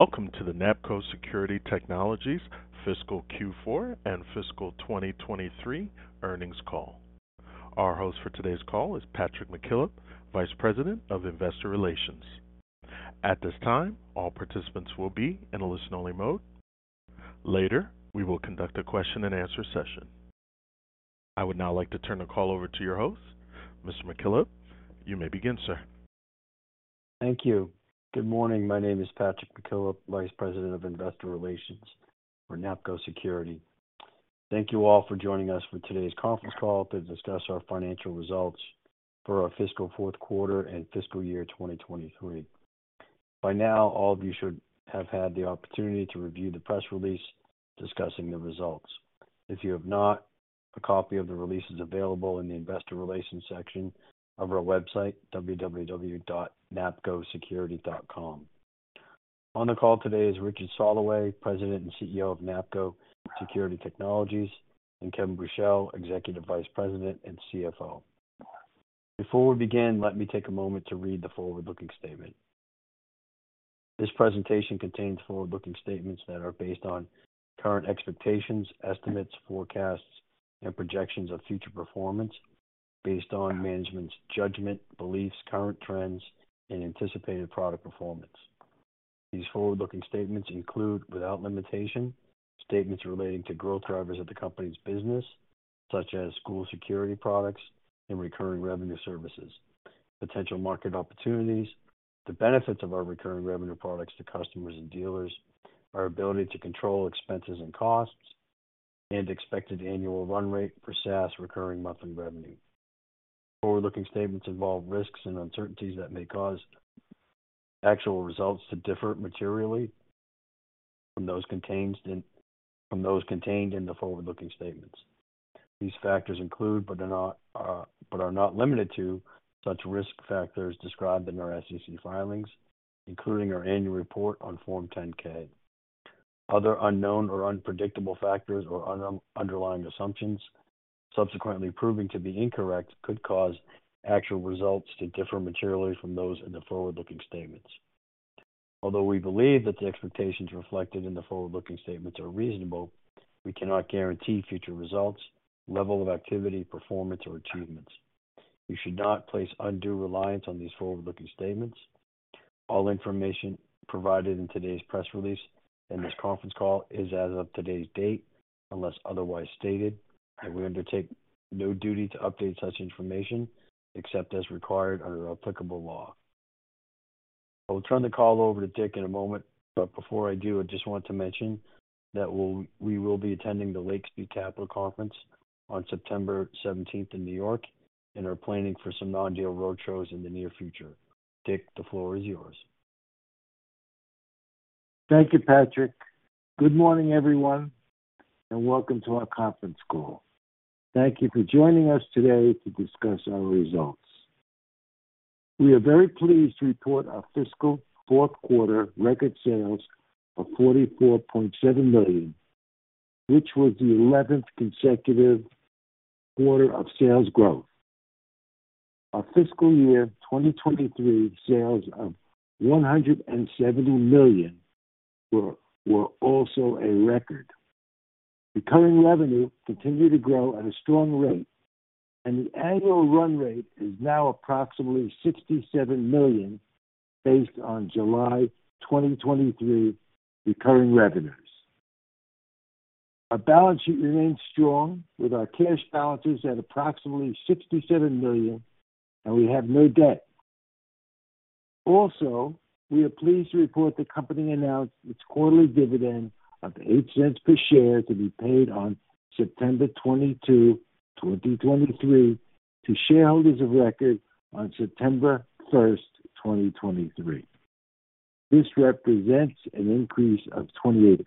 Welcome to the NAPCO Security Technologies Fiscal Q4 and Fiscal 2023 Earnings Call. Our host for today's call is Patrick McKillop, Vice President of Investor Relations. At this time, all participants will be in a listen-only mode. Later, we will conduct a question-and-answer session. I would now like to turn the call over to your host. Mr. McKillop, you may begin, sir. Thank you. Good morning. My name is Patrick McKillop, Vice President of Investor Relations for NAPCO Security. Thank you all for joining us for today's conference call to discuss our financial results for our fiscal fourth quarter and fiscal year 2023. By now, all of you should have had the opportunity to review the press release discussing the results. If you have not, a copy of the release is available in the Investor Relations section of our website, www.napcosecurity.com. On the call today is Richard Soloway, President and CEO of NAPCO Security Technologies, and Kevin Buchel, Executive Vice President and CFO. Before we begin, let me take a moment to read the forward-looking statement. This presentation contains forward-looking statements that are based on current expectations, estimates, forecasts, and projections of future performance, based on management's judgment, beliefs, current trends, and anticipated product performance. These forward-looking statements include, without limitation, statements relating to growth drivers of the company's business, such as school security products and recurring revenue services, potential market opportunities, the benefits of our recurring revenue products to customers and dealers, our ability to control expenses and costs, and expected annual run rate for SaaS recurring monthly revenue. Forward-looking statements involve risks and uncertainties that may cause actual results to differ materially from those contained in the forward-looking statements. These factors include, but are not limited to, such risk factors described in our SEC filings, including our annual report on Form 10-K. Other unknown or unpredictable factors or underlying assumptions subsequently proving to be incorrect, could cause actual results to differ materially from those in the forward-looking statements. Although we believe that the expectations reflected in the forward-looking statements are reasonable, we cannot guarantee future results, level of activity, performance, or achievements. You should not place undue reliance on these forward-looking statements. All information provided in today's press release and this conference call is as of today's date, unless otherwise stated, and we undertake no duty to update such information except as required under applicable law. I will turn the call over to Dick in a moment, but before I do, I just want to mention that we will be attending the Lake Street Capital Conference on September seventeenth in New York and are planning for some non-deal roadshows in the near future. Dick, the floor is yours. Thank you, Patrick. Good morning, everyone, and welcome to our conference call. Thank you for joining us today to discuss our results. We are very pleased to report our fiscal fourth quarter record sales of $44.7 million, which was the 11th consecutive quarter of sales growth. Our fiscal year 2023 sales of $170 million were also a record. Recurring revenue continued to grow at a strong rate, and the annual run rate is now approximately $67 million, based on July 2023 recurring revenues. Our balance sheet remains strong, with our cash balances at approximately $67 million, and we have no debt. Also, we are pleased to report the company announced its quarterly dividend of $0.08 per share to be paid on September 22, 2023, to shareholders of record on September 1, 2023. This represents an increase of 28%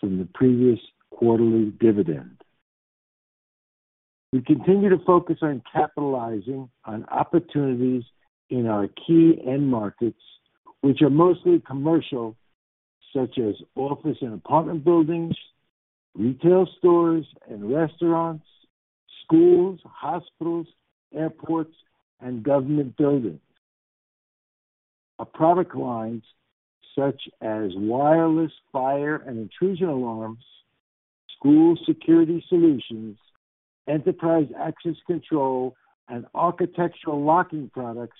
from the previous quarterly dividend. We continue to focus on capitalizing on opportunities in our key end markets, which are mostly commercial, such as office and apartment buildings, retail stores and restaurants, schools, hospitals, airports, and government buildings. Our product lines, such as wireless, fire, and intrusion alarms, school security solutions, enterprise access control, and architectural locking products,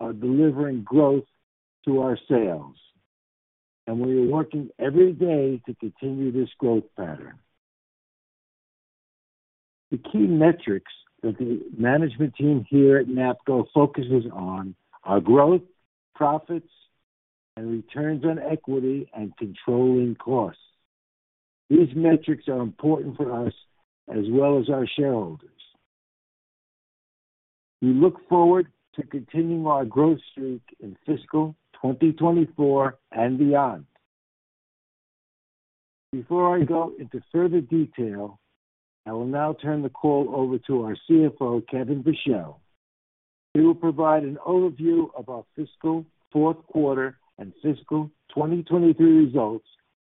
are delivering growth to our sales, and we are working every day to continue this growth pattern. The key metrics that the management team here at NAPCO focuses on are growth, profits, and returns on equity and controlling costs. These metrics are important for us as well as our shareholders. We look forward to continuing our growth streak in fiscal 2024 and beyond. Before I go into further detail, I will now turn the call over to our CFO, Kevin Buchel. He will provide an overview of our fiscal fourth quarter and fiscal 2023 results,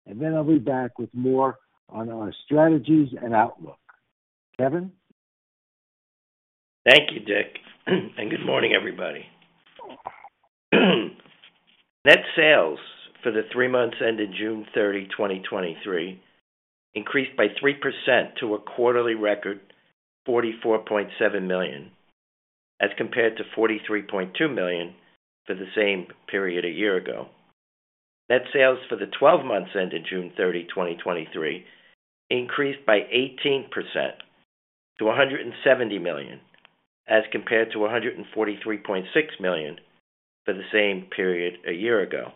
and then I'll be back with more on our strategies and outlook. Kevin? Thank you, Dick, and good morning, everybody. Net sales for the three months ended June 30, 2023, increased by 3% to a quarterly record $44.7 million, as compared to $43.2 million for the same period a year ago. Net sales for the 12 months ended June 30, 2023, increased by 18% to $170 million, as compared to $143.6 million for the same period a year ago.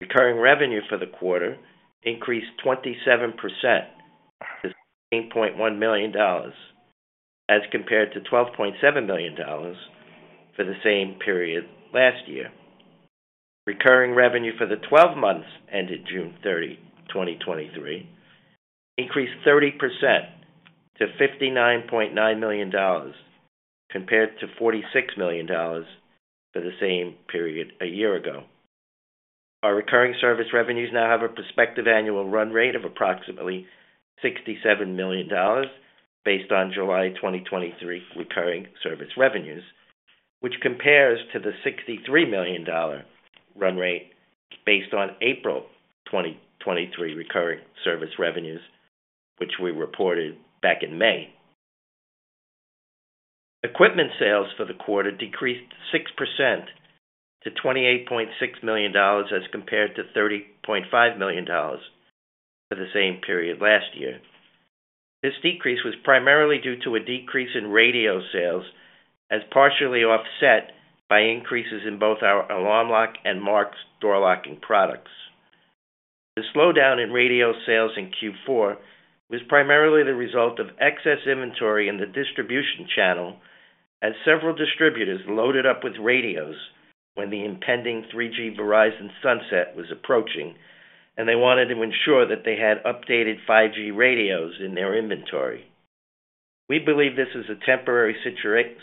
Recurring revenue for the quarter increased 27% to $8.1 million, as compared to $12.7 million for the same period last year. Recurring revenue for the 12 months ended June 30, 2023, increased 30% to $59.9 million, compared to $46 million for the same period a year ago. Our recurring service revenues now have a prospective annual run rate of approximately $67 million, based on July 2023 recurring service revenues, which compares to the $63 million run rate based on April 2023 recurring service revenues, which we reported back in May. Equipment sales for the quarter decreased 6% to $28.6 million, as compared to $30.5 million for the same period last year. This decrease was primarily due to a decrease in radio sales, as partially offset by increases in both our Alarm Lock and Marks door locking products. The slowdown in radio sales in Q4 was primarily the result of excess inventory in the distribution channel, as several distributors loaded up with radios when the impending 3G Verizon sunset was approaching, and they wanted to ensure that they had updated 5G radios in their inventory. We believe this is a temporary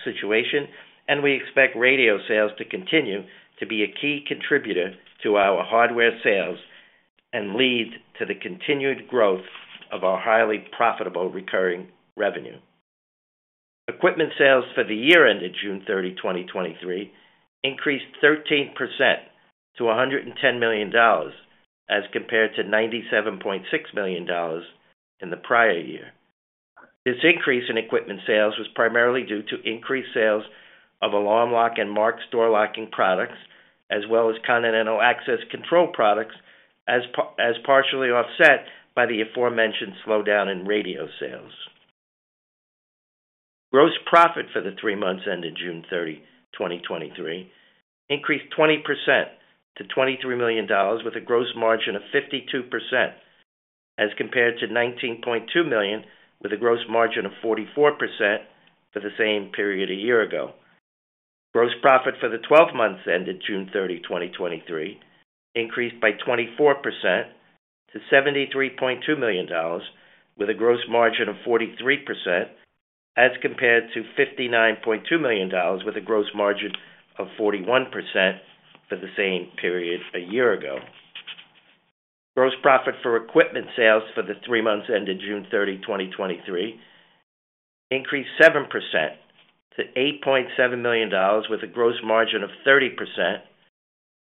situation, and we expect radio sales to continue to be a key contributor to our hardware sales and lead to the continued growth of our highly profitable recurring revenue. Equipment sales for the year ended June 30, 2023, increased 13% to $110 million, as compared to $97.6 million in the prior year. This increase in equipment sales was primarily due to increased sales of Alarm Lock and Marks door locking products, as well as Continental Access control products, as partially offset by the aforementioned slowdown in radio sales. Gross profit for the three months ended June 30, 2023, increased 20% to $23 million with a gross margin of 52%, as compared to $19.2 million, with a gross margin of 44% for the same period a year ago. Gross profit for the 12 months ended June 30, 2023, increased by 24% to $73.2 million with a gross margin of 43%, as compared to $59.2 million with a gross margin of 41% for the same period a year ago. Gross profit for equipment sales for the three months ended June 30, 2023, increased 7% to $8.7 million with a gross margin of 30%,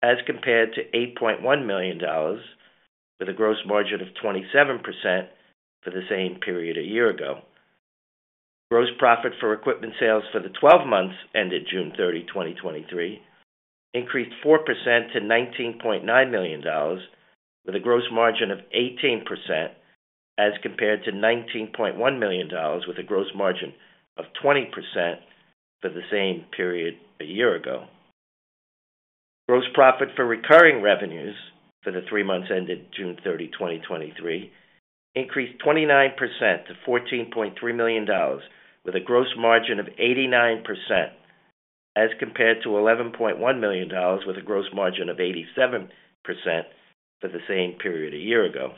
as compared to $8.1 million with a gross margin of 27% for the same period a year ago. Gross profit for equipment sales for the 12 months ended June 30, 2023, increased 4% to $19.9 million with a gross margin of 18%, as compared to $19.1 million with a gross margin of 20% for the same period a year ago. Gross profit for recurring revenues for the three months ended June 30, 2023, increased 29% to $14.3 million with a gross margin of 89%, as compared to $11.1 million with a gross margin of 87% for the same period a year ago.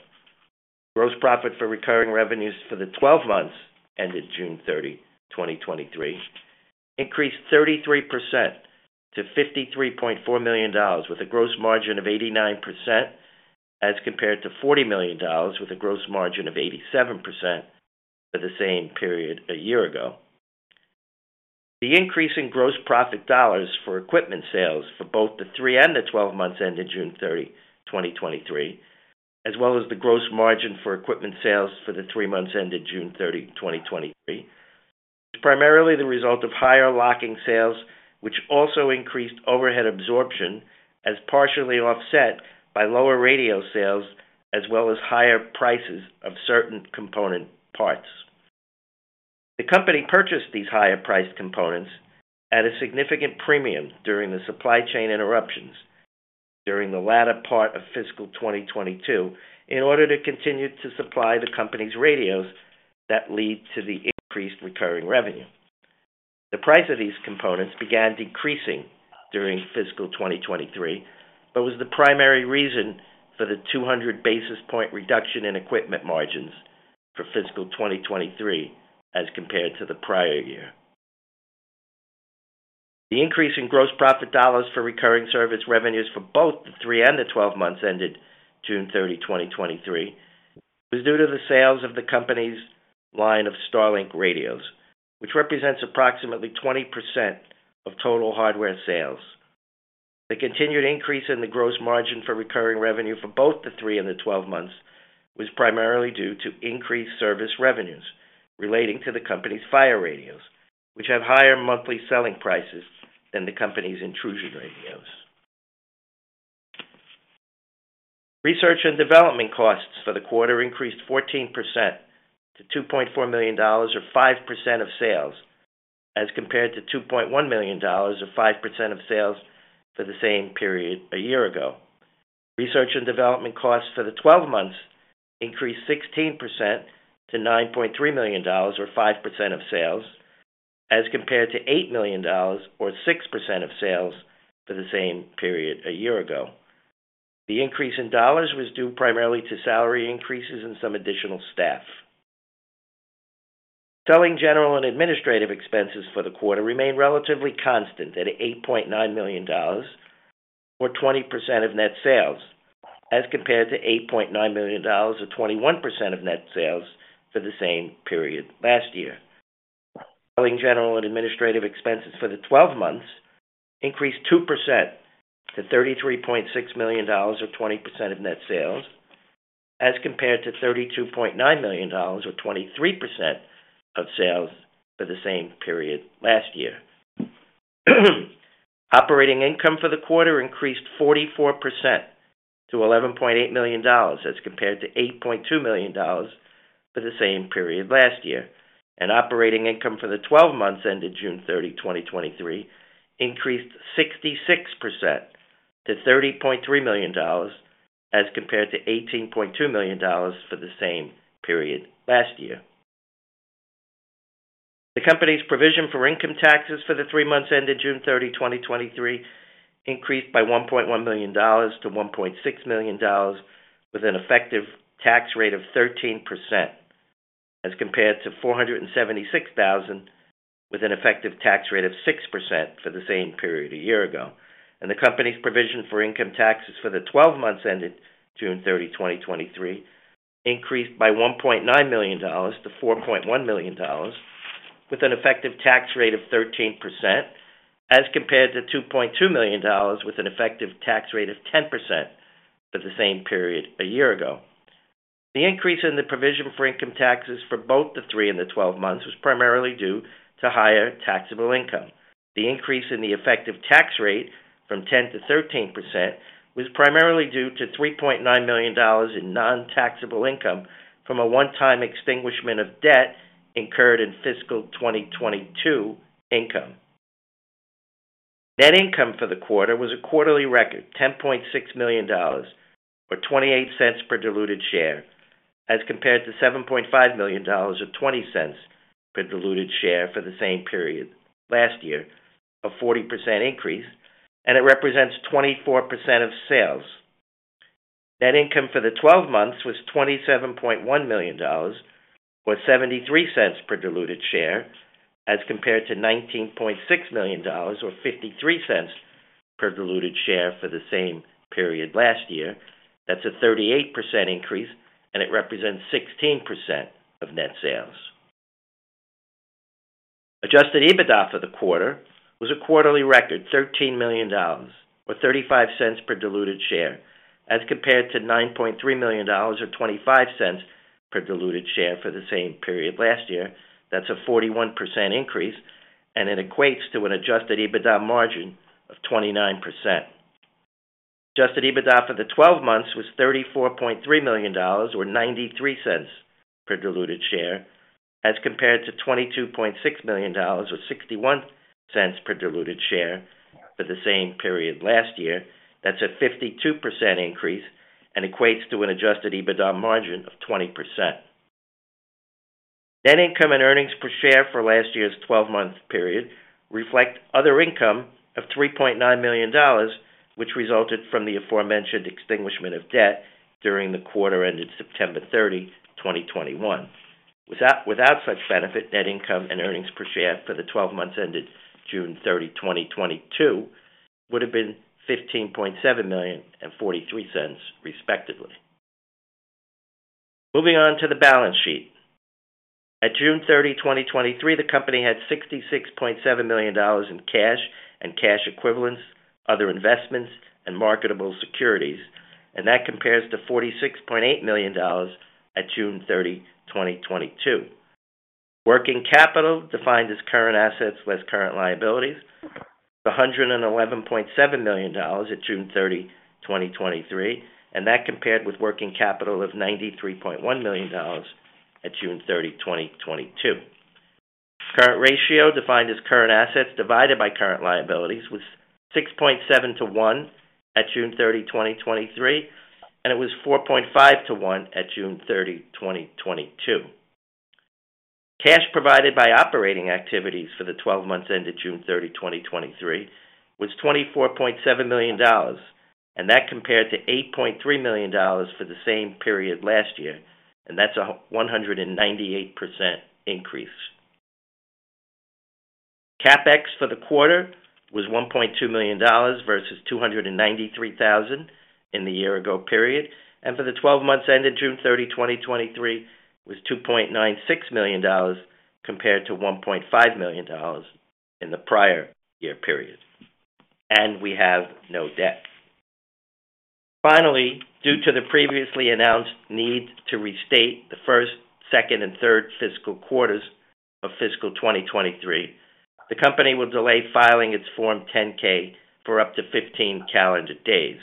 Gross profit for recurring revenues for the 12 months ended June 30, 2023, increased 33% to $53.4 million with a gross margin of 89%, as compared to $40 million with a gross margin of 87% for the same period a year ago. The increase in gross profit dollars for equipment sales for both the three and the 12 months ended June 30, 2023, as well as the gross margin for equipment sales for the three months ended June 30, 2023, is primarily the result of higher locking sales, which also increased overhead absorption, as partially offset by lower radio sales, as well as higher prices of certain component parts. The company purchased these higher priced components at a significant premium during the supply chain interruptions during the latter part of fiscal 2022, in order to continue to supply the company's radios that lead to the increased recurring revenue. The price of these components began decreasing during fiscal 2023, but was the primary reason for the 200 basis point reduction in equipment margins for fiscal 2023 as compared to the prior year. The increase in gross profit dollars for recurring service revenues for both the three and the 12 months ended June 30, 2023, was due to the sales of the company's line of StarLink radios, which represents approximately 20% of total hardware sales. The continued increase in the gross margin for recurring revenue for both the three and the 12 months was primarily due to increased service revenues relating to the company's fire radios, which have higher monthly selling prices than the company's intrusion radios. Research and development costs for the quarter increased 14% to $2.4 million, or 5% of sales, as compared to $2.1 million or 5% of sales for the same period a year ago. Research and development costs for the twelve months increased 16% to $9.3 million, or 5% of sales, as compared to $8 million or 6% of sales for the same period a year ago. The increase in dollars was due primarily to salary increases and some additional staff. Selling, general and administrative expenses for the quarter remained relatively constant at $8.9 million, or 20% of net sales, as compared to $8.9 million or 21% of net sales for the same period last year. Selling, general and administrative expenses for the 12 months increased 2% to $33.6 million or 20% of net sales, as compared to $32.9 million or 23% of sales for the same period last year. Operating income for the quarter increased 44% to $11.8 million, as compared to $8.2 million for the same period last year, and operating income for the 12 months ended June 30, 2023, increased 66% to $30.3 million, as compared to $18.2 million for the same period last year. The company's provision for income taxes for the three months ended June 30, 2023, increased by $1.1 million to $1.6 million, with an effective tax rate of 13%, as compared to $476,000, with an effective tax rate of 6% for the same period a year ago, and the company's provision for income taxes for the 12 months ended June 30, 2023, increased by $1.9 million to $4.1 million, with an effective tax rate of 13%, as compared to $2.2 million, with an effective tax rate of 10% for the same period a year ago. The increase in the provision for income taxes for both the three and the 12 months was primarily due to higher taxable income. The increase in the effective tax rate from 10%-13% was primarily due to $3.9 million in non-taxable income from a one-time extinguishment of debt incurred in fiscal 2022 income. Net income for the quarter was a quarterly record, $10.6 million, or $0.28 per diluted share, as compared to $7.5 million or $0.20 per diluted share for the same period last year, a 40% increase, and it represents 24% of sales. Net income for the 12 months was $27.1 million, or $0.73 per diluted share, as compared to $19.6 million or $0.53 per diluted share for the same period last year. That's a 38% increase, and it represents 16% of net sales. Adjusted EBITDA for the quarter was a quarterly record, $13 million or $0.35 per diluted share, as compared to $9.3 million or $0.25 per diluted share for the same period last year. That's a 41% increase, and it equates to an adjusted EBITDA margin of 29%. Adjusted EBITDA for the 12 months was $34.3 million, or $0.93 per diluted share, as compared to $22.6 million or $0.61 per diluted share for the same period last year. That's a 52% increase and equates to an adjusted EBITDA margin of 20%. Net income and earnings per share for last year's 12-month period reflect other income of $3.9 million, which resulted from the aforementioned extinguishment of debt during the quarter ended September 30, 2021. Without such benefit, net income and earnings per share for the 12 months ended June 30, 2022, would have been $15.7 million and $0.43, respectively. Moving on to the balance sheet. At June 30, 2023, the company had $66.7 million in cash and cash equivalents, other investments, and marketable securities, and that compares to $46.8 million at June 30, 2022. Working capital, defined as current assets less current liabilities, was $111.7 million at June 30, 2023, and that compared with working capital of $93.1 million at June 30, 2022. Current ratio, defined as current assets divided by current liabilities, was 6.7 to 1 at June 30, 2023, and it was 4.5 to 1 at June 30, 2022. Cash provided by operating activities for the 12 months ended June 30, 2023, was $24.7 million and that compared to $8.3 million for the same period last year, and that's a 198% increase. CapEx for the quarter was $1.2 million versus $293,000 in the year ago period, and for the 12 months ended June 30, 2023, was $2.96 million, compared to $1.5 million in the prior year period. And we have no debt. Finally, due to the previously announced need to restate the first, second, and third fiscal quarters of fiscal 2023, the company will delay filing its Form 10-K for up to 15 calendar days.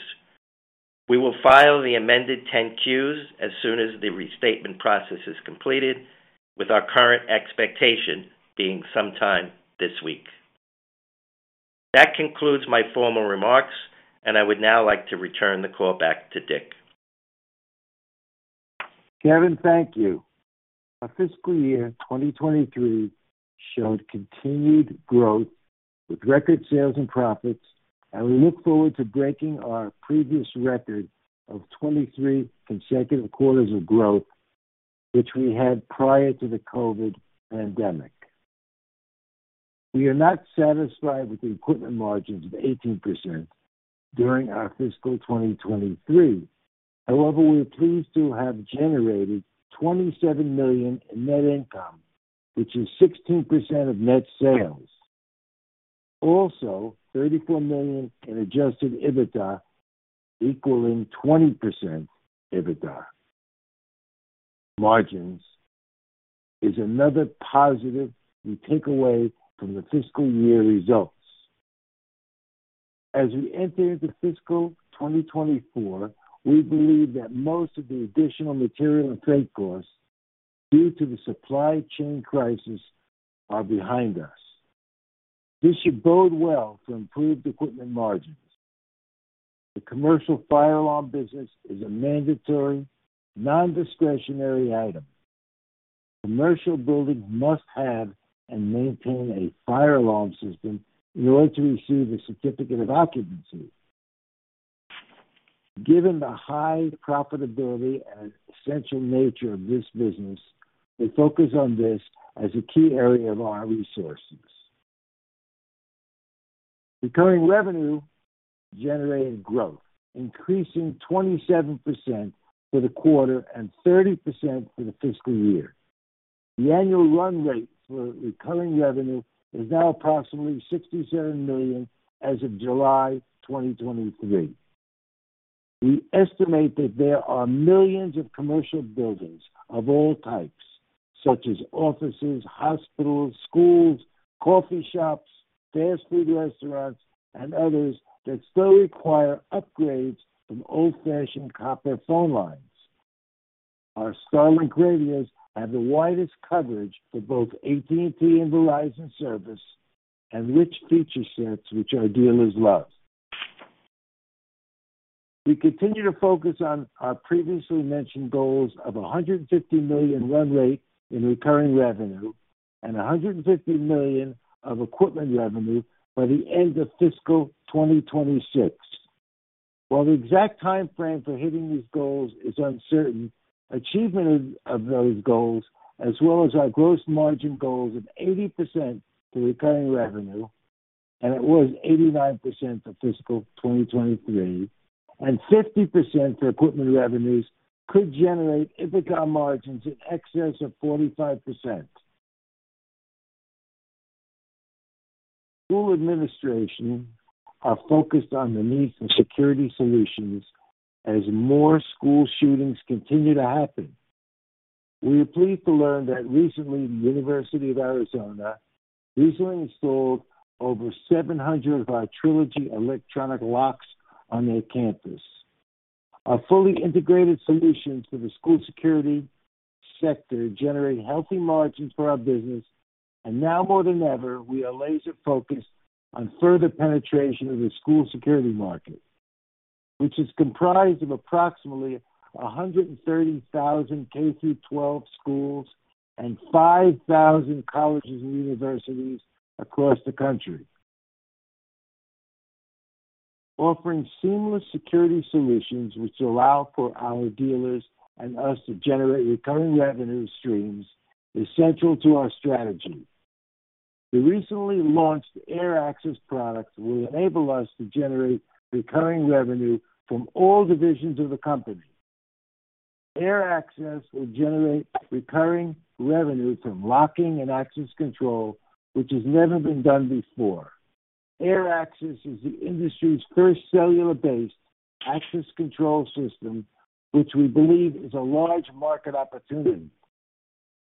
We will file the amended 10-Qs as soon as the restatement process is completed, with our current expectation being sometime this week. That concludes my formal remarks, and I would now like to return the call back to Dick. Kevin, thank you. Our fiscal year 2023 showed continued growth with record sales and profits, and we look forward to breaking our previous record of 23 consecutive quarters of growth, which we had prior to the COVID pandemic. We are not satisfied with the equipment margins of 18% during our fiscal 2023. However, we are pleased to have generated $27 million in net income, which is 16% of net sales. Also, $34 million in adjusted EBITDA, equaling 20% EBITDA. Margins is another positive we take away from the fiscal year results. As we enter into fiscal 2024, we believe that most of the additional material and trade costs due to the supply chain crisis are behind us. This should bode well for improved equipment margins. The commercial fire alarm business is a mandatory, non-discretionary item. Commercial buildings must have and maintain a fire alarm system in order to receive a certificate of occupancy. Given the high profitability and essential nature of this business, we focus on this as a key area of our resources. Recurring revenue generated growth, increasing 27% for the quarter and 30% for the fiscal year. The annual run rate for recurring revenue is now approximately $67 million as of July 2023. We estimate that there are millions of commercial buildings of all types, such as offices, hospitals, schools, coffee shops, fast food restaurants, and others, that still require upgrades from old-fashioned copper phone lines. Our StarLink radios have the widest coverage for both AT&T and Verizon service and rich feature sets, which our dealers love. We continue to focus on our previously mentioned goals of $150 million run rate in recurring revenue and $150 million of equipment revenue by the end of fiscal 2026. While the exact timeframe for hitting these goals is uncertain, achievement of those goals, as well as our gross margin goals of 80% for recurring revenue, and it was 89% for fiscal 2023, and 50% for equipment revenues, could generate EBITDA margins in excess of 45%. School administration are focused on the need for security solutions as more school shootings continue to happen. We are pleased to learn that recently, the University of Arizona installed over 700 of our Trilogy electronic locks on their campus. Our fully integrated solutions for the school security sector generate healthy margins for our business, and now more than ever, we are laser focused on further penetration of the school security market, which is comprised of approximately 130,000 K-12 schools and 5,000 colleges and universities across the country. Offering seamless security solutions, which allow for our dealers and us to generate recurring revenue streams, is central to our strategy. The recently launched AirAccess products will enable us to generate recurring revenue from all divisions of the company. AirAccess will generate recurring revenue from locking and access control, which has never been done before. AirAccess is the industry's first cellular-based access control system, which we believe is a large market opportunity.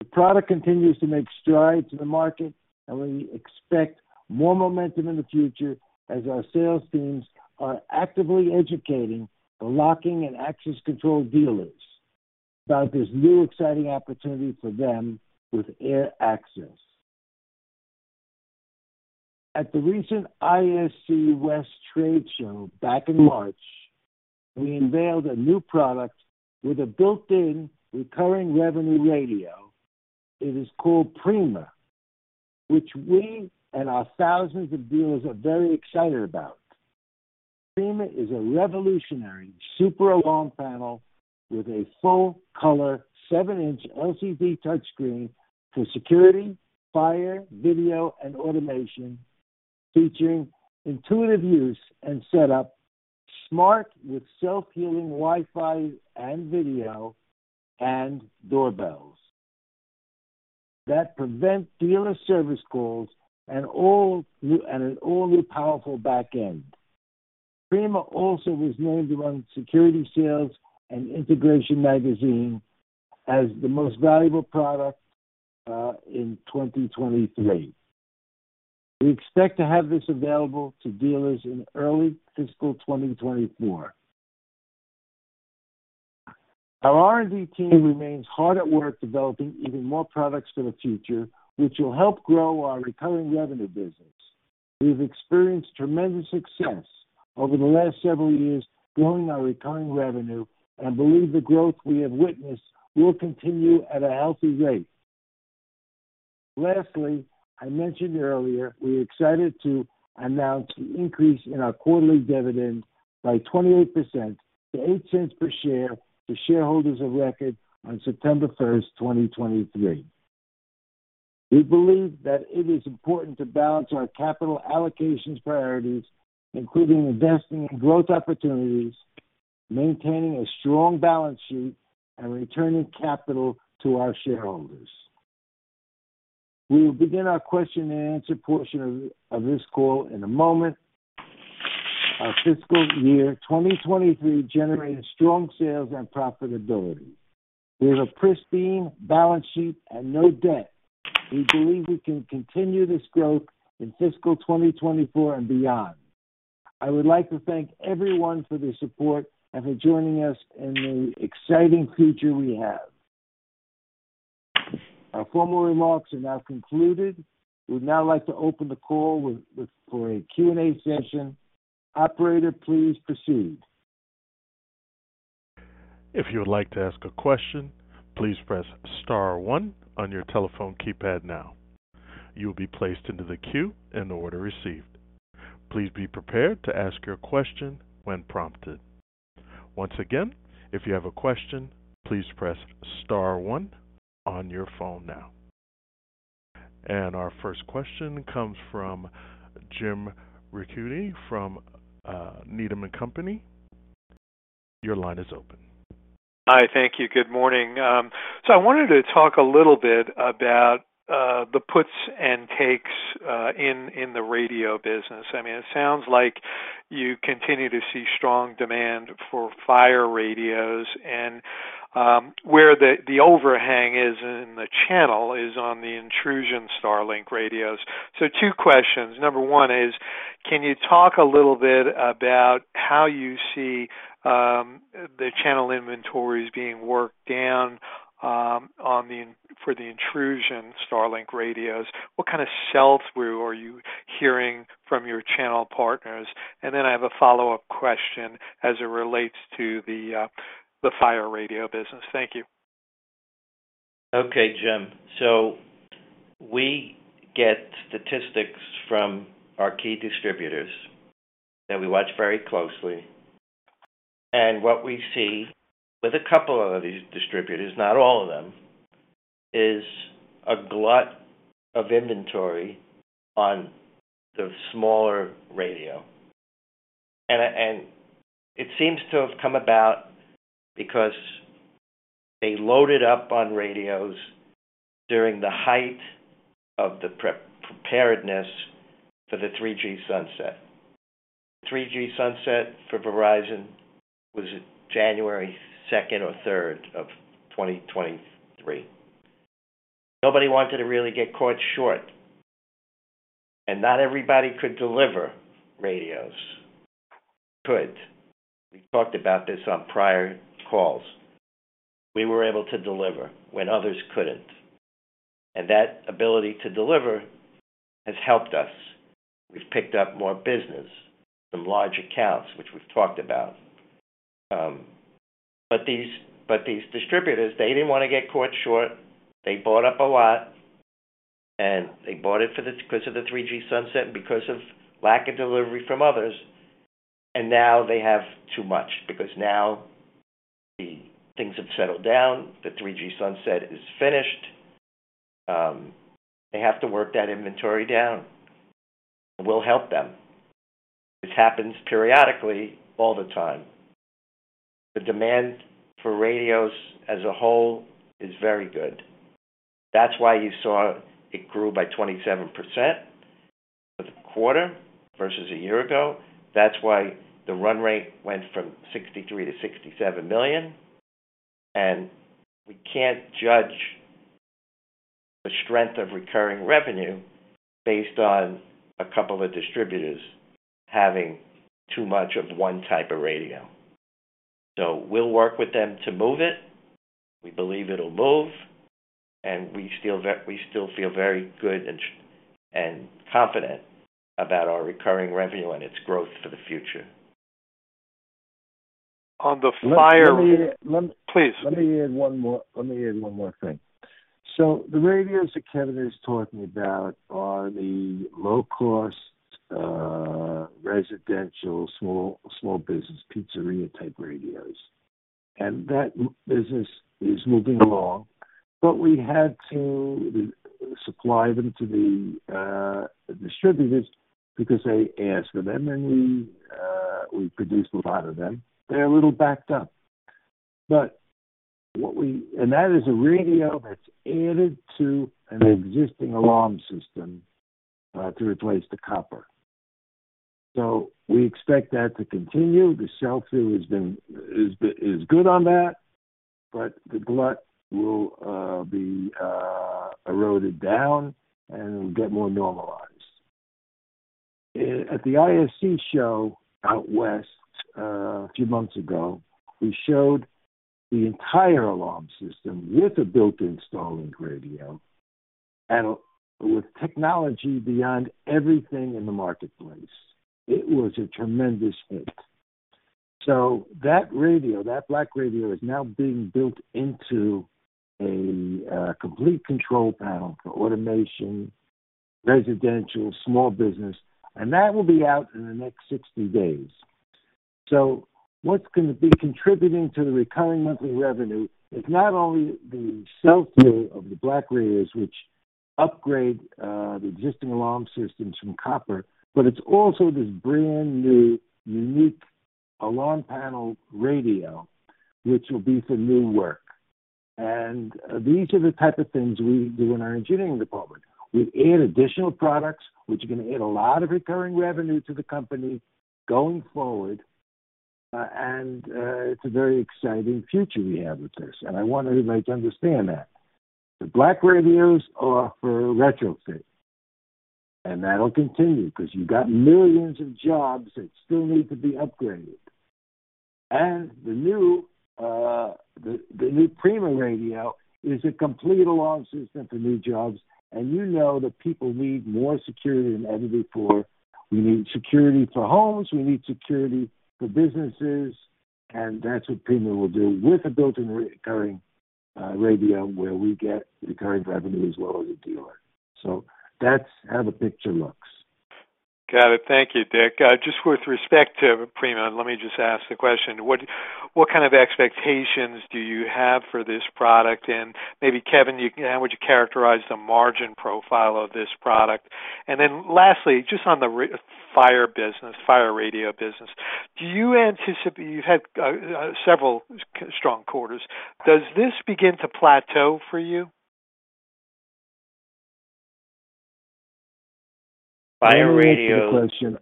The product continues to make strides in the market, and we expect more momentum in the future as our sales teams are actively educating the locking and access control dealers about this new exciting opportunity for them with AirAccess. At the recent ISC West Trade Show back in March, we unveiled a new product with a built-in recurring revenue radio. It is called Prima. Which we and our thousands of dealers are very excited about. Prima is a revolutionary super long panel with a full color seven-inch LCD touchscreen for security, fire, video, and automation, featuring intuitive use and setup, smart with self-healing Wi-Fi and video and doorbells that prevent dealer service calls and all-new powerful backend. Prima also was named among Security Sales and Integration Magazine as the Most Valuable Product in 2023. We expect to have this available to dealers in early fiscal 2024. Our R&D team remains hard at work, developing even more products for the future, which will help grow our recurring revenue business. We've experienced tremendous success over the last several years growing our recurring revenue, and believe the growth we have witnessed will continue at a healthy rate. Lastly, I mentioned earlier, we are excited to announce the increase in our quarterly dividend by 28% to $0.08 per share to shareholders of record on September 1, 2023. We believe that it is important to balance our capital allocations priorities, including investing in growth opportunities, maintaining a strong balance sheet, and returning capital to our shareholders. We will begin our question and answer portion of this call in a moment. Our fiscal year 2023 generated strong sales and profitability. We have a pristine balance sheet and no debt. We believe we can continue this growth in fiscal 2024 and beyond. I would like to thank everyone for their support and for joining us in the exciting future we have. Our formal remarks are now concluded. We'd now like to open the call for a Q&A session. Operator, please proceed. If you would like to ask a question, please press star one on your telephone keypad now. You will be placed into the queue in the order received. Please be prepared to ask your question when prompted. Once again, if you have a question, please press star one on your phone now. Our first question comes from Jim Ricchiuti from Needham and Company. Your line is open. Hi. Thank you. Good morning. So I wanted to talk a little bit about the puts and takes in the radio business. I mean, it sounds like you continue to see strong demand for fire radios and where the overhang is in the channel is on the intrusion StarLink radios. So two questions. Number one is, can you talk a little bit about how you see the channel inventories being worked down for the intrusion StarLink radios? What kind of sell-through are you hearing from your channel partners? And then I have a follow-up question as it relates to the fire radio business. Thank you. Okay, Jim. So we get statistics from our key distributors that we watch very closely. And what we see with a couple of these distributors, not all of them, is a glut of inventory on the smaller radio. And it seems to have come about because they loaded up on radios during the height of the preparedness for the 3G sunset. 3G sunset for Verizon was January second or third of 2023. Nobody wanted to really get caught short, and not everybody could deliver radios. We could. We talked about this on prior calls. We were able to deliver when others couldn't, and that ability to deliver has helped us. We've picked up more business from large accounts, which we've talked about. But these distributors, they didn't want to get caught short. They bought up a lot, and they bought it for the, because of the 3G sunset, because of lack of delivery from others. And now they have too much, because now the things have settled down. The 3G sunset is finished. They have to work that inventory down. We'll help them. This happens periodically, all the time. The demand for radios as a whole is very good. That's why you saw it grew by 27% for the quarter versus a year ago. That's why the run rate went from $63-$67 million, and we can't judge the strength of recurring revenue based on a couple of distributors having too much of one type of radio. So we'll work with them to move it. We believe it'll move, and we still feel very good and confident about our Recurring Revenue and its growth for the future. On the fire. Let me. Please. Let me add one more, let me add one more thing. So the radios that Kevin is talking about are the low-cost, residential, small, small business pizzeria-type radios, and that business is moving along, but we had to supply them to the, distributors because they asked for them, and we, we produced a lot of them. They're a little backed up. But what we—And that is a radio that's added to an existing alarm system, to replace the copper. So we expect that to continue. The sell-through has been, is, is good on that, but the glut will, be, eroded down and get more normalized. At the ISC show out west, a few months ago, we showed the entire alarm system with a built-in StarLink radio, and with technology beyond everything in the marketplace. It was a tremendous hit. So that radio, that black radio, is now being built into a complete control panel for automation, residential, small business, and that will be out in the next 60 days. So what's going to be contributing to the recurring monthly revenue is not only the sell-through of the black radios, which upgrade the existing alarm systems from copper, but it's also this brand-new, unique alarm panel radio, which will be for new work. And these are the type of things we do in our engineering department. We've added additional products, which are going to add a lot of recurring revenue to the company going forward, and it's a very exciting future we have with this, and I want everybody to understand that. The black radios are for retrofit, and that'll continue because you've got millions of jobs that still need to be upgraded. And the new Prima radio is a complete alarm system for new jobs, and you know that people need more security than ever before. We need security for homes, we need security for businesses, and that's what Prima will do with a built-in recurring radio, where we get recurring revenue as well as a dealer. So that's how the picture looks. Got it. Thank you, Dick. Just with respect to Prima, let me just ask the question: What, what kind of expectations do you have for this product? And maybe, Kevin, you, how would you characterize the margin profile of this product? And then lastly, just on the fire business, fire radio business, do you anticipate. You've had several strong quarters. Does this begin to plateau for you? Fire radio. Let me answer the question.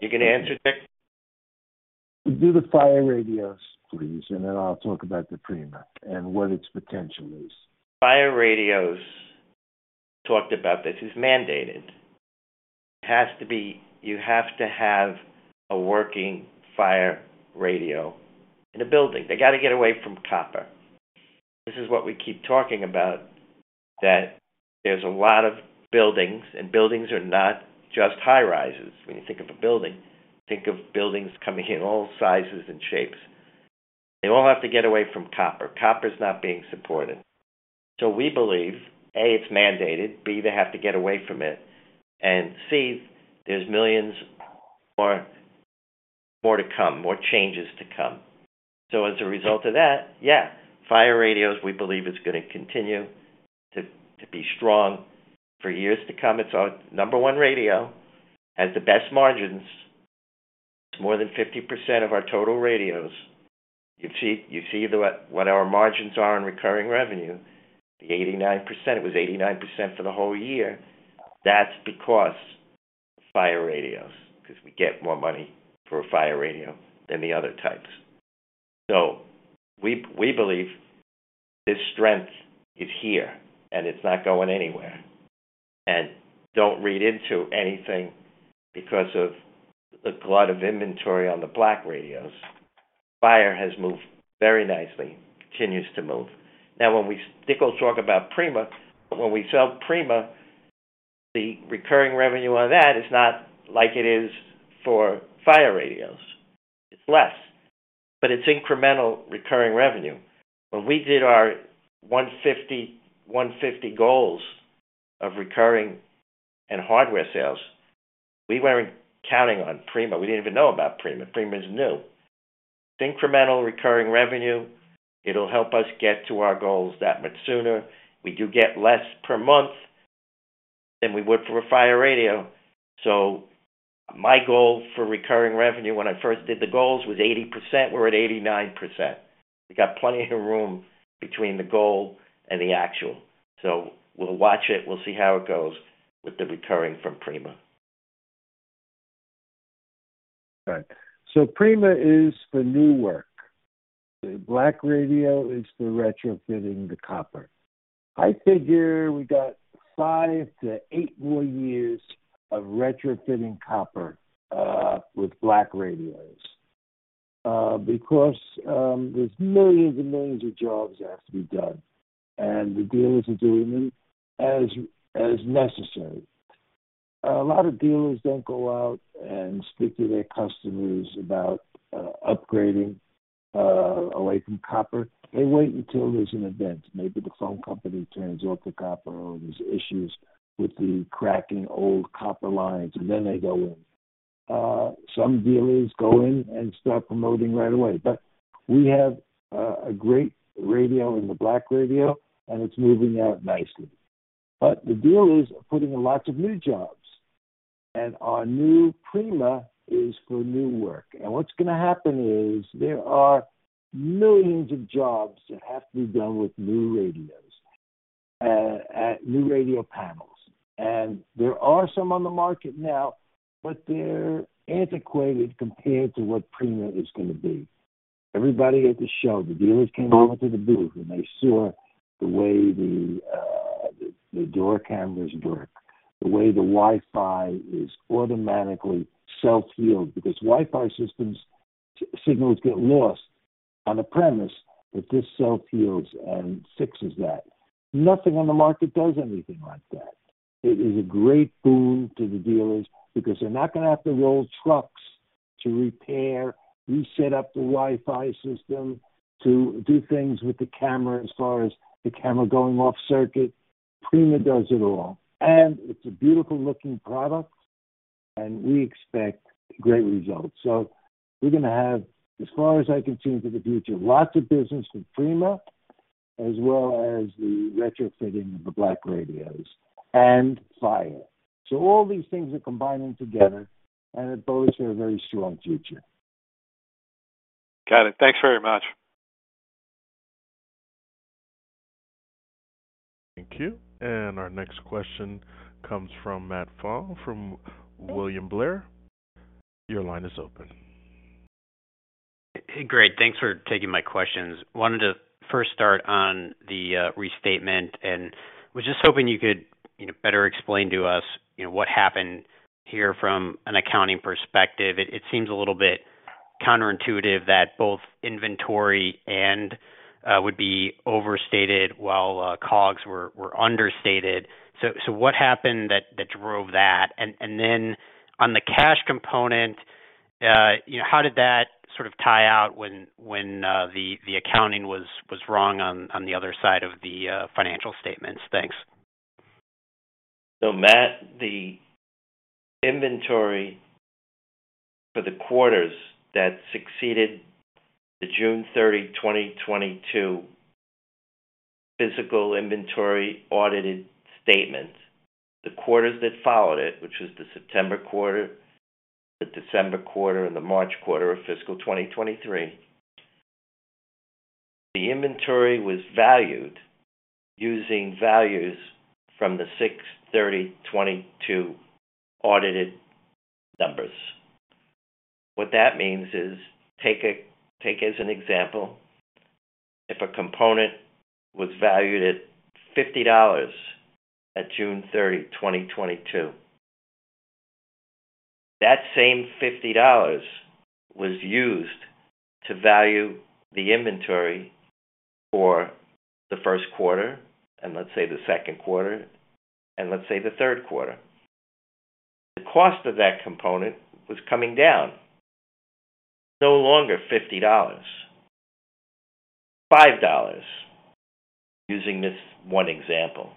You're going to answer, Dick? Do the Fire Radios, please, and then I'll talk about the Prima and what its potential is. Fire radios, talked about this, is mandated. It has to be. You have to have a working fire radio in a building. They got to get away from copper. This is what we keep talking about, that there's a lot of buildings, and buildings are not just high-rises. When you think of a building, think of buildings coming in all sizes and shapes. They all have to get away from copper. Copper is not being supported. So we believe, A, it's mandated, B, they have to get away from it, and C, there's millions more, more to come, more changes to come. So as a result of that, yeah, fire radios, we believe, is going to continue to, to be strong for years to come. It's our number one radio, has the best margins. It's more than 50% of our total radios. You see, you see the what, what our margins are in recurring revenue, the 89%. It was 89% for the whole year. That's because fire radios, because we get more money for a fire radio than the other types. So we, we believe this strength is here, and it's not going anywhere. And don't read into anything because of the glut of inventory on the black radios. Fire has moved very nicely, continues to move. Now, when we Dick will talk about Prima. But when we sell Prima, the recurring revenue on that is not like it is for fire radios. It's less, but it's incremental recurring revenue. When we did our 150, 150 goals of recurring and hardware sales, we weren't counting on Prima. We didn't even know about Prima. Prima is new. Incremental recurring revenue, it'll help us get to our goals that much sooner. We do get less per month than we would for a fire radio. So my goal for recurring revenue when I first did the goals, was 80%. We're at 89%. We got plenty of room between the goal and the actual. So we'll watch it. We'll see how it goes with the recurring from Prima. Right. So Prima is for new work. The black radio is for retrofitting the copper. I figure we got five-eight more years of retrofitting copper with black radios because there's millions and millions of jobs that have to be done, and the dealers are doing them as necessary. A lot of dealers don't go out and speak to their customers about upgrading away from copper. They wait until there's an event. Maybe the phone company turns off the copper, or there's issues with the cracking old copper lines, and then they go in. Some dealers go in and start promoting right away, but we have a great radio in the black radio, and it's moving out nicely. But the dealers are putting in lots of new jobs, and our new Prima is for new work. And what's gonna happen is there are millions of jobs that have to be done with new radios, new radio panels. And there are some on the market now, but they're antiquated compared to what Prima is gonna be. Everybody at the show, the dealers came over to the booth, and they saw the way the, the door cameras work, the way the Wi-Fi is automatically self-healed, because Wi-Fi systems signals get lost on the premise that this self-heals and fixes that. Nothing on the market does anything like that. It is a great boon to the dealers because they're not gonna have to roll trucks to repair, reset up the Wi-Fi system, to do things with the camera as far as the camera going off circuit. Prima does it all, and it's a beautiful looking product, and we expect great results. So we're gonna have, as far as I can see into the future, lots of business with Prima, as well as the retrofitting of the black radios and fire. So all these things are combining together, and it bodes for a very strong future. Got it. Thanks very much. Thank you. And our next question comes from Matt Pfau from William Blair. Your line is open. Hey, great. Thanks for taking my questions. Wanted to first start on the restatement, and was just hoping you could, you know, better explain to us, you know, what happened here from an accounting perspective. It seems a little bit counterintuitive that both inventory and would be overstated while COGS were understated. So what happened that drove that? And then on the cash component, you know, how did that sort of tie out when the accounting was wrong on the other side of the financial statements? Thanks. So, Matt, the inventory for the quarters that succeeded the June 30, 2022 physical inventory audited statements, the quarters that followed it, which was the September quarter, the December quarter, and the March quarter of fiscal 2023, the inventory was valued using values from the June 30, 2022 audited numbers. What that means is, take as an example, if a component was valued at $50 at June 30, 2022, that same $50 was used to value the inventory for the first quarter, and let's say the second quarter, and let's say the third quarter. The cost of that component was coming down, no longer $50, $5, using this one example.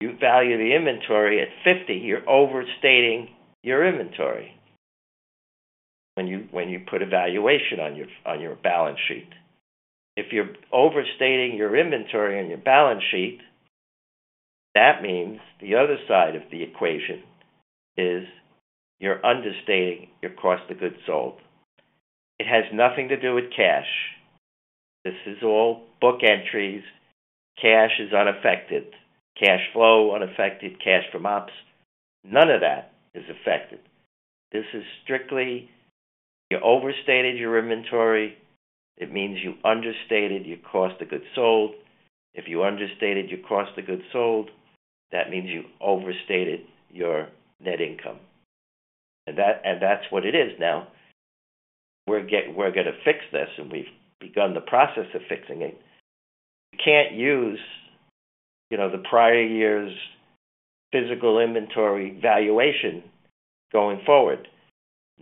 You value the inventory at $50, you're overstating your inventory when you, when you put a valuation on your, on your balance sheet. If you're overstating your inventory on your balance sheet, that means the other side of the equation is you're understating your cost of goods sold. It has nothing to do with cash. This is all book entries. Cash is unaffected, cash flow unaffected, cash from ops, none of that is affected. This is strictly, you overstated your inventory, it means you understated your cost of goods sold. If you understated your cost of goods sold, that means you overstated your net income. And that, and that's what it is now. We're gonna fix this, and we've begun the process of fixing it. You can't use, you know, the prior year's physical inventory valuation going forward.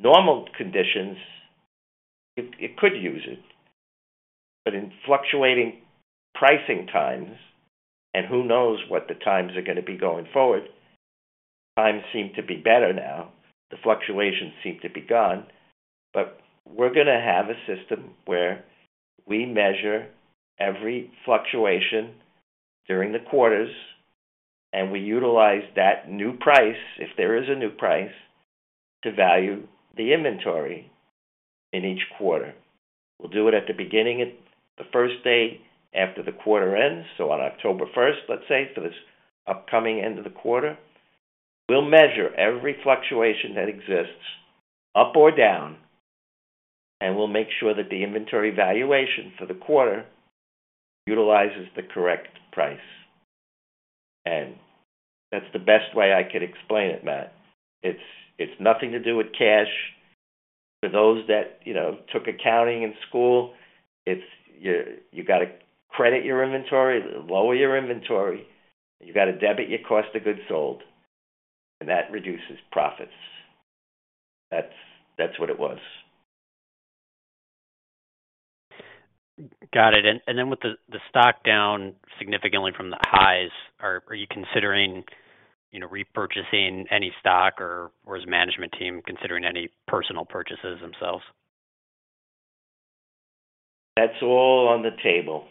Normal conditions, you could use it, but in fluctuating pricing times, and who knows what the times are gonna be going forward, times seem to be better now. The fluctuations seem to be gone, but we're gonna have a system where we measure every fluctuation during the quarters, and we utilize that new price, if there is a new price, to value the inventory in each quarter. We'll do it at the beginning, at the first day after the quarter ends. So on October 1st, let's say, for this upcoming end of the quarter, we'll measure every fluctuation that exists, up or down, and we'll make sure that the inventory valuation for the quarter utilizes the correct price. And that's the best way I could explain it, Matt. It's, it's nothing to do with cash-For those that, you know, took accounting in school, it's you, you got to credit your inventory, lower your inventory, you got to debit your cost of goods sold, and that reduces profits. That's, that's what it was. Got it. And then with the stock down significantly from the highs, are you considering, you know, repurchasing any stock, or is the management team considering any personal purchases themselves? That's all on the table.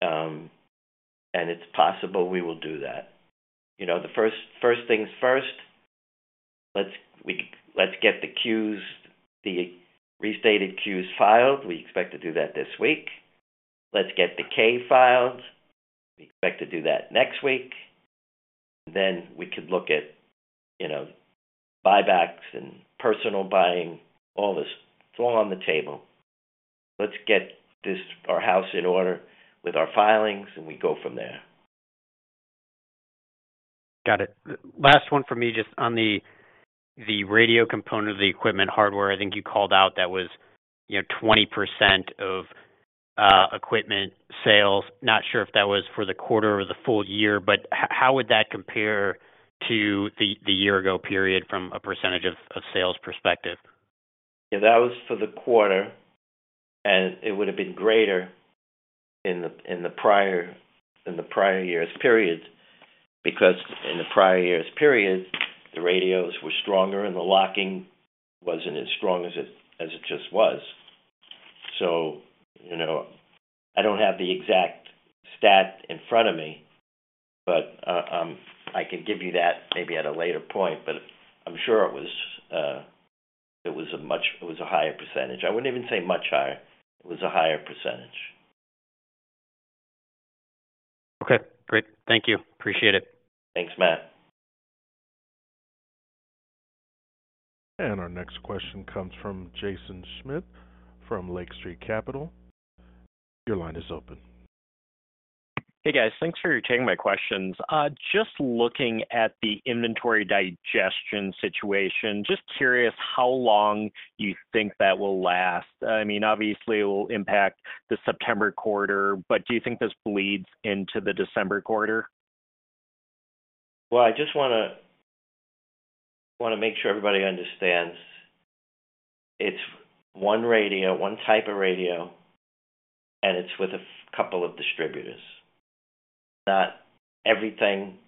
And it's possible we will do that. You know, first things first, let's get the Qs, the restated Qs filed. We expect to do that this week. Let's get the K filed. We expect to do that next week. Then we could look at, you know, buybacks and personal buying, all this. It's all on the table. Let's get our house in order with our filings, and we go from there. Got it. Last one for me, just on the, the radio component of the equipment hardware, I think you called out that was, you know, 20% of equipment sales. Not sure if that was for the quarter or the full year, but how would that compare to the, the year ago period from a percentage of, of sales perspective? Yeah, that was for the quarter, and it would have been greater in the prior year's periods, because in the prior year's periods, the radios were stronger and the locking wasn't as strong as it just was. So, you know, I don't have the exact stat in front of me, but I can give you that maybe at a later point, but I'm sure it was a higher percentage. I wouldn't even say much higher. It was a higher percentage. Okay, great. Thank you. Appreciate it. Thanks, Matt. Our next question comes from Jaeson Schmidt from Lake Street Capital. Your line is open. Hey, guys. Thanks for taking my questions. Just looking at the inventory digestion situation, just curious how long you think that will last. I mean, obviously, it will impact the September quarter, but do you think this bleeds into the December quarter? Well, I just wanna make sure everybody understands. It's one radio, one type of radio, and it's with a couple of distributors, not everything,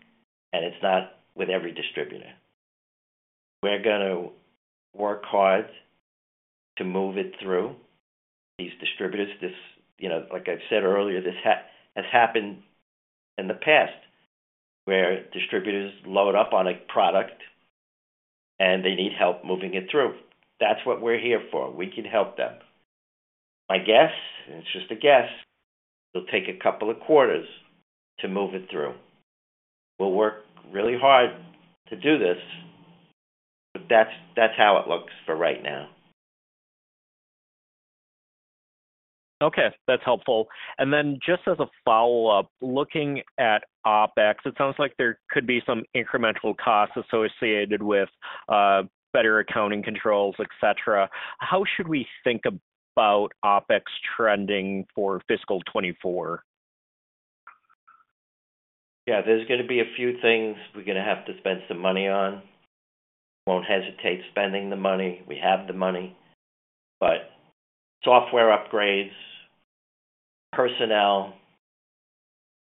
and it's not with every distributor. We're gonna work hard to move it through these distributors. This, you know, like I've said earlier, this has happened in the past, where distributors load up on a product and they need help moving it through. That's what we're here for. We can help them. My guess, it's just a guess, it'll take a couple of quarters to move it through. We'll work really hard to do this, but that's how it looks for right now. Okay, that's helpful. And then just as a follow-up, looking at OpEx, it sounds like there could be some incremental costs associated with better accounting controls, etc. How should we think about OpEx trending for fiscal 2024? Yeah, there's gonna be a few things we're gonna have to spend some money on. Won't hesitate spending the money. We have the money. But software upgrades, personnel,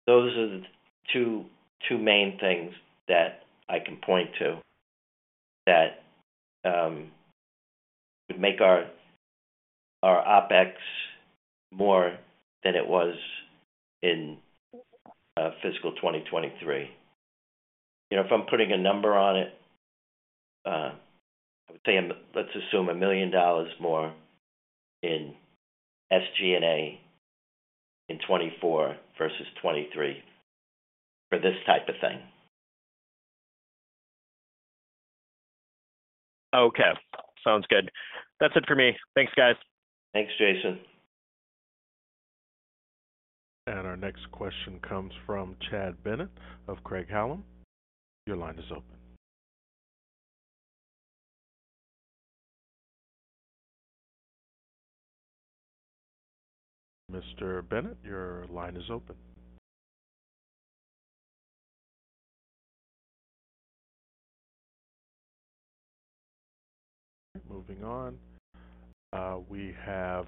those are the two, two main things that I can point to that would make our, our OpEx more than it was in fiscal 2023. You know, if I'm putting a number on it, I would say let's assume $1 million more in SG&A in 2024 versus 2023 for this type of thing. Okay, sounds good. That's it for me. Thanks, guys. Thanks, Jaeson. And our next question comes from Chad Bennett of Craig-Hallum. Your line is open. Mr. Bennett, your line is open. Moving on, we have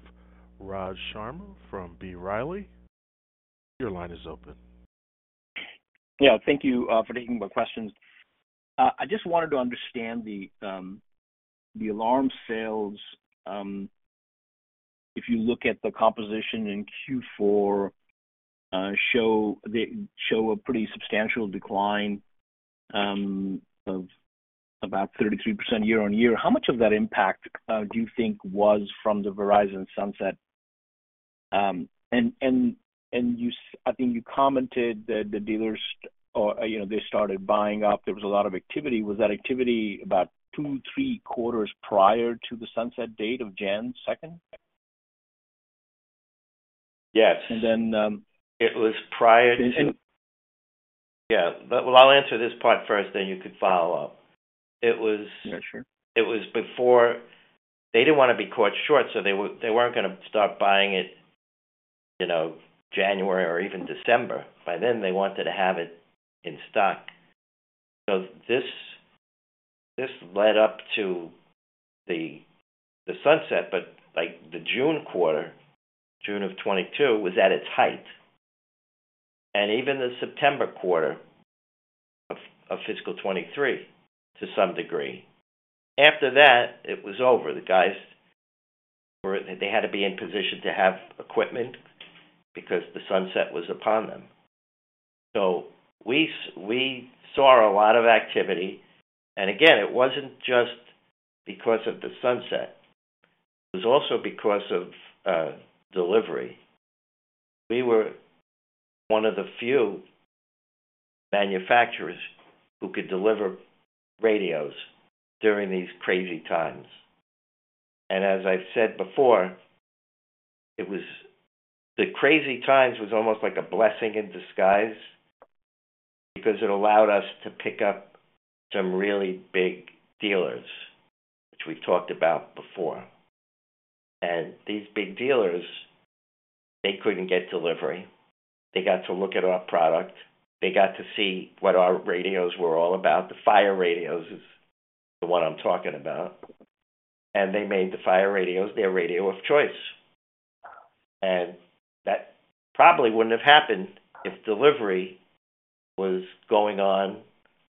Raj Sharma from B. Riley. Your line is open. Yeah, thank you for taking my questions. I just wanted to understand the alarm sales, if you look at the composition in Q4, they show a pretty substantial decline of about 33% year-over-year. How much of that impact do you think was from the Verizon sunset? And you, I think you commented that the dealers, or, you know, they started buying up. There was a lot of activity. Was that activity about two, three quarters prior to the sunset date of January second? Yes. And then. Yeah, well, I'll answer this part first, then you could follow up. It was. Yeah, sure. It was before. They didn't want to be caught short, so they would, they weren't gonna start buying it, you know, January or even December. By then, they wanted to have it in stock. So this, this led up to the, the sunset, but, like, the June quarter, June of 2022, was at its height, and even the September quarter of, of fiscal 2023, to some degree. After that, it was over. The guys were, they had to be in position to have equipment because the sunset was upon them. So we saw a lot of activity, and again, it wasn't just because of the sunset. It was also because of delivery. We were one of the few manufacturers who could deliver radios during these crazy times. As I've said before, it was, the crazy times was almost like a blessing in disguise because it allowed us to pick up some really big dealers, which we've talked about before. These big dealers, they couldn't get delivery. They got to look at our product. They got to see what our radios were all about. The fire radios is the one I'm talking about, and they made the fire radios their radio of choice. That probably wouldn't have happened if delivery was going on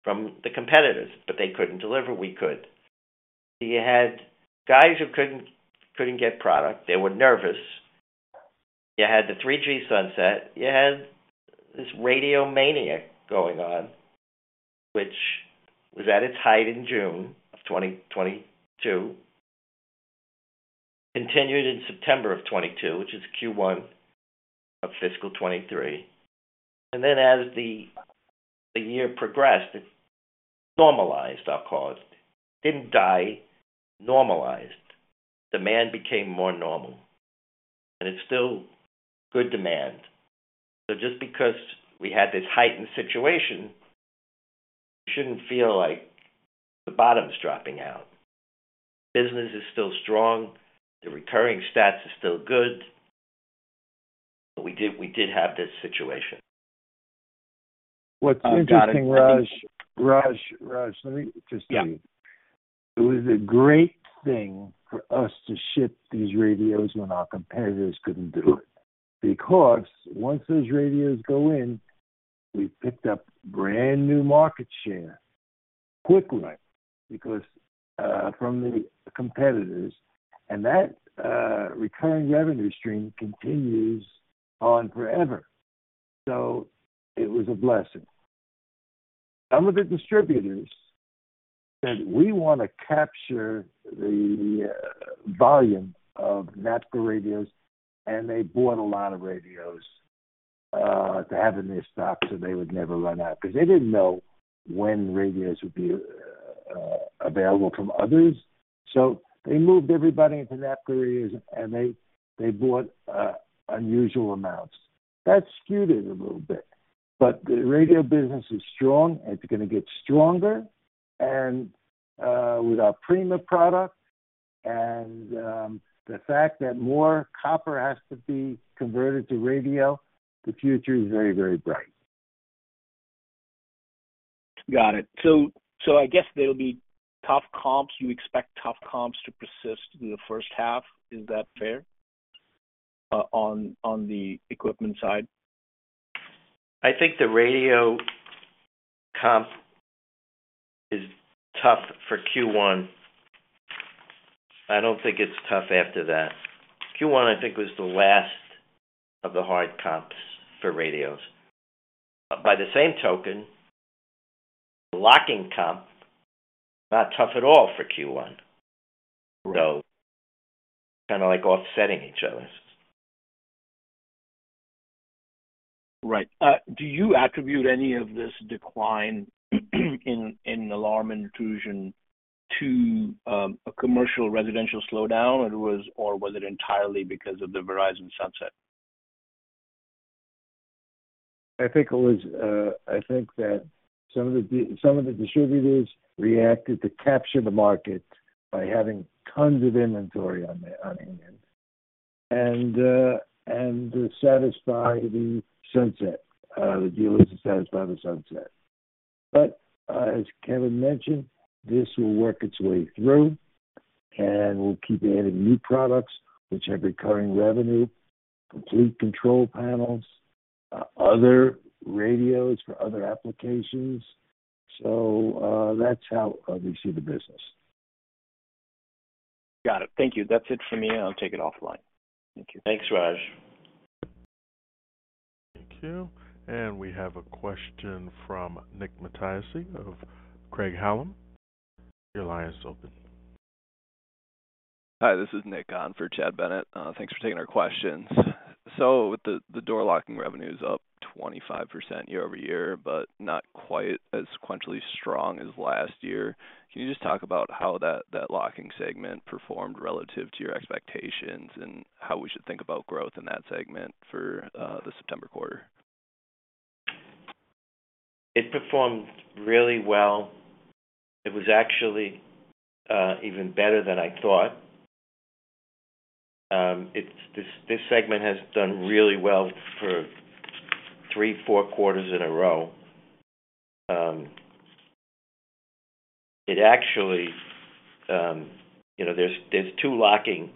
from the competitors, but they couldn't deliver, we could. You had guys who couldn't get product. They were nervous. You had the 3G sunset. You had this radio mania going on, which was at its height in June of 2022, continued in September of 2022, which is Q1 of fiscal 2023. And then as the year progressed, it normalized, I'll call it. Didn't die, normalized. Demand became more normal, and it's still good demand. So just because we had this heightened situation, you shouldn't feel like the bottom's dropping out. Business is still strong. The recurring stats are still good. But we did have this situation. What's interesting, Raj, let me just. Yeah. It was a great thing for us to ship these radios when our competitors couldn't do it, because once those radios go in, we picked up brand new market share quickly because from the competitors, and that recurring revenue stream continues on forever. So it was a blessing. Some of the distributors said, "We want to capture the volume of NAPCO radios," and they bought a lot of radios to have in their stock, so they would never run out, because they didn't know when radios would be available from others. So they moved everybody into NAPCO radios, and they bought unusual amounts. That skewed it a little bit, but the radio business is strong, and it's going to get stronger, and with our Prima product and the fact that more copper has to be converted to radio, the future is very, very bright. Got it. So, so I guess there'll be tough comps. You expect tough comps to persist in the first half. Is that fair, on the equipment side? I think the radio comp is tough for Q1. I don't think it's tough after that. Q1, I think, was the last of the hard comps for radios. By the same token, locking comp, not tough at all for Q1. Right. So kind of like offsetting each other. Right. Do you attribute any of this decline in alarm and intrusion to a commercial residential slowdown, or was it entirely because of the Verizon sunset? I think it was. I think that some of the distributors reacted to capture the market by having tons of inventory on hand, and satisfy the sunset. The dealers are satisfied the sunset. But, as Kevin mentioned, this will work its way through, and we'll keep adding new products, which are recurring revenue, complete control panels, other radios for other applications. So, that's how we see the business. Got it. Thank you. That's it for me, and I'll take it offline. Thank you. Thanks, Raj. Thank you. And we have a question from Nick Mattiacci of Craig-Hallum. Your line is open. Hi, this is Nick on for Chad Bennett. Thanks for taking our questions. So the, the door locking revenue is up 25% year-over-year, but not quite as sequentially strong as last year. Can you just talk about how that, that locking segment performed relative to your expectations and how we should think about growth in that segment for the September quarter? It performed really well. It was actually even better than I thought. It's this segment has done really well for three, four quarters in a row. It actually, you know, there's two locking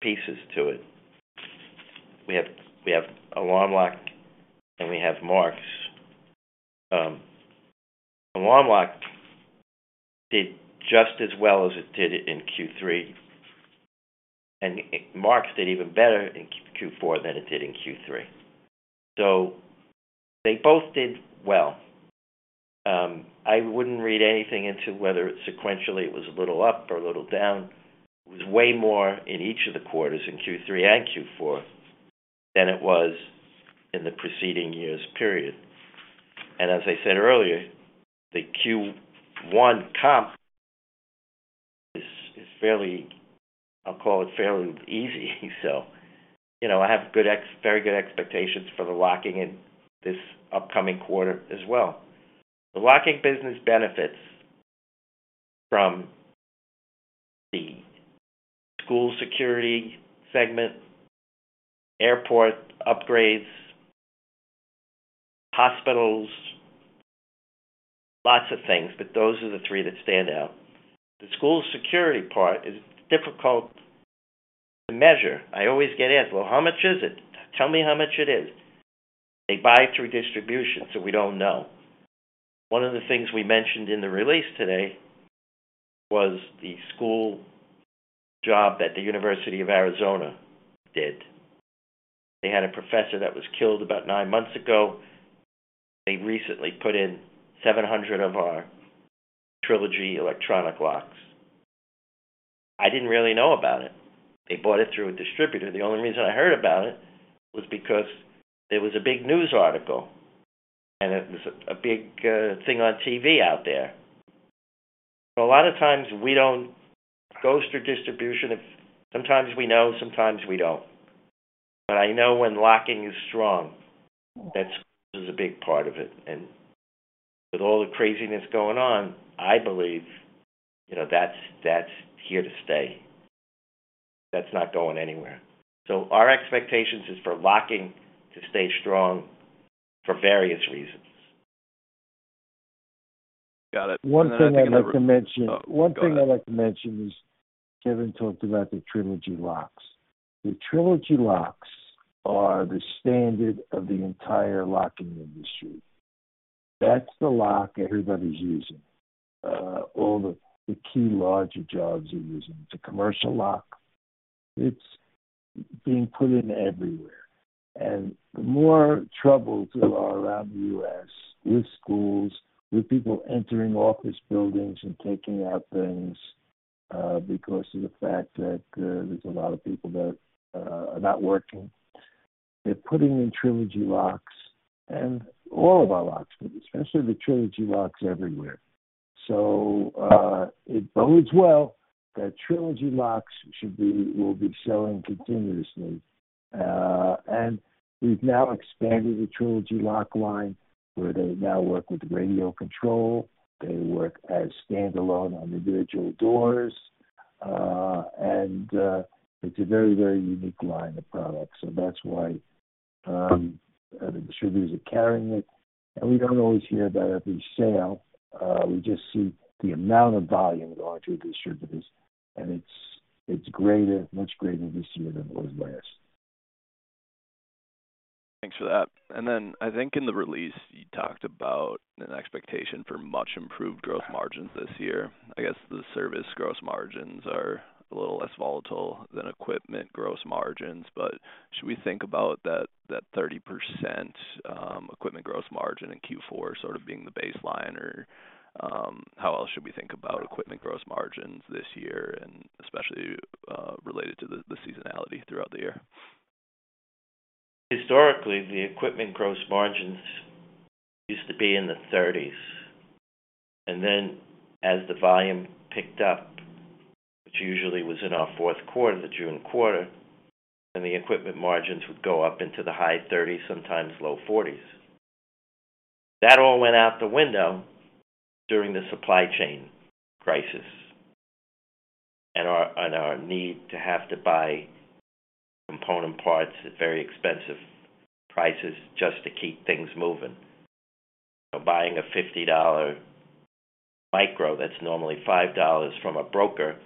pieces to it. We have Alarm Lock, and we have Marks. Alarm Lock did just as well as it did in Q3, and Marks did even better in Q4 than it did in Q3. They both did well. I wouldn't read anything into whether sequentially it was a little up or a little down. It was way more in each of the quarters, in Q3 and Q4, than it was in the preceding years period. As I said earlier, the Q1 comp is fairly. I'll call it fairly easy. So, you know, I have very good expectations for the locking in this upcoming quarter as well. The locking business benefits from the school security segment, airport upgrades, hospitals, lots of things, but those are the three that stand out. The school security part is difficult to measure. I always get asked, "Well, how much is it? Tell me how much it is." They buy through distribution, so we don't know. One of the things we mentioned in the release today was the school job that the University of Arizona did. They had a professor that was killed about nine months ago. They recently put in 700 of our Trilogy electronic locks. I didn't really know about it. They bought it through a distributor. The only reason I heard about it was because there was a big news article, and it was a big thing on TV out there. So a lot of times we don't go through distribution. If sometimes we know, sometimes we don't. But I know when locking is strong, that's a big part of it, and with all the craziness going on, I believe, you know, that's here to stay. That's not going anywhere. So our expectations is for locking to stay strong for various reasons. Got it. One thing I'd like to mention. Oh, go ahead. One thing I'd like to mention is, Kevin talked about the Trilogy locks. The Trilogy locks are the standard of the entire locking industry. That's the lock everybody's using, all the, the key larger jobs are using. It's a commercial lock. It's being put in everywhere, and the more troubles there are around the US, with schools, with people entering office buildings and taking out things, because of the fact that, there's a lot of people that are not working. They're putting in Trilogy locks and all of our locks, but especially the Trilogy locks everywhere. So, it bodes well that Trilogy locks should be, will be selling continuously. And we've now expanded the Trilogy lock line, where they now work with radio control. They work as standalone on individual doors, and, it's a very, very unique line of products. So that's why, the distributors are carrying it, and we don't always hear about every sale. We just see the amount of volume going to the distributors, and it's greater, much greater this year than it was last. Thanks for that. And then I think in the release, you talked about an expectation for much improved gross margins this year. I guess the service gross margins are a little less volatile than equipment gross margins, but should we think about that 30% equipment gross margin in Q4 sort of being the baseline, or how else should we think about equipment gross margins this year, and especially related to the seasonality throughout the year? Historically, the equipment gross margins used to be in the 30s, and then as the volume picked up, which usually was in our fourth quarter, the June quarter, then the equipment margins would go up into the high 30s, sometimes low 40s. That all went out the window during the supply chain crisis and our need to have to buy component parts at very expensive prices just to keep things moving. So buying a $50 micro, that's normally $5 from a broker,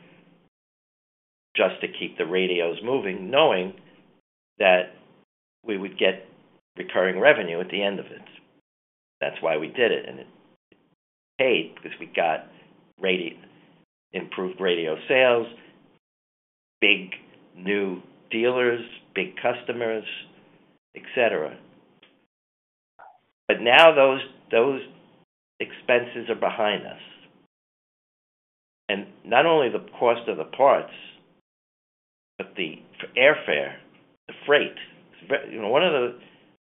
just to keep the radios moving, knowing that we would get recurring revenue at the end of it. That's why we did it, and it paid because we got radio, improved radio sales, big new dealers, big customers, et cetera. But now those expenses are behind us. And not only the cost of the parts, but the airfare, the freight. You know, one of the,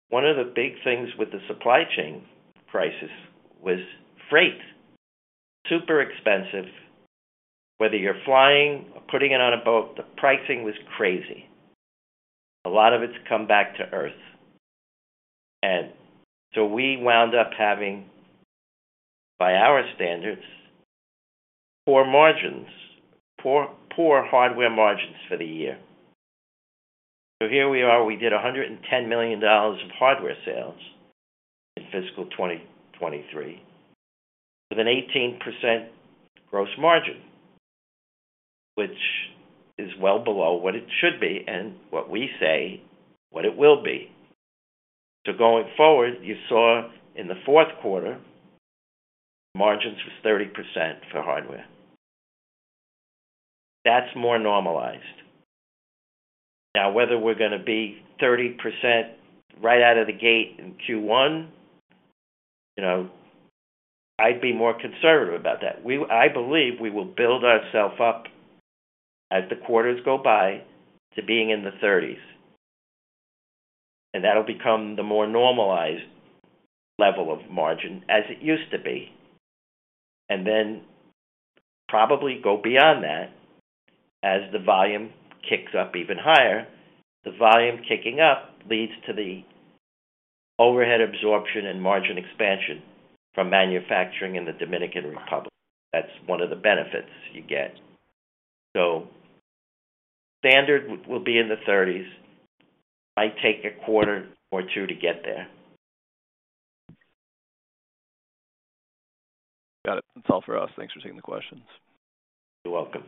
one of the big things with the supply chain crisis was freight, super expensive. Whether you're flying or putting it on a boat, the pricing was crazy. A lot of it's come back to earth, and so we wound up having, by our standards, poor margins, poor, poor hardware margins for the year. So here we are. We did $110 million of hardware sales in fiscal 2023, with an 18% gross margin, which is well below what it should be and what we say what it will be. So going forward, you saw in the fourth quarter, margins was 30% for hardware. That's more normalized. Now, whether we're gonna be 30% right out of the gate in Q1, you know, I'd be more conservative about that. I believe we will build ourself up as the quarters go by, to being in the thirties. That'll become the more normalized level of margin, as it used to be. Then probably go beyond that as the volume kicks up even higher. The volume kicking up leads to the overhead absorption and margin expansion from manufacturing in the Dominican Republic. That's one of the benefits you get. Standard will be in the thirties. Might take a quarter or two to get there. Got it. That's all for us. Thanks for taking the questions. You're welcome.